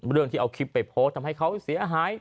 เรื่องที่เอาคลิปไปโพสต์ทำให้เขาเสียหาย